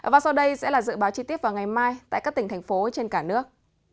và sau đây sẽ là dự báo chi tiết vào ngày mai tại các tỉnh thành phố trên cả nước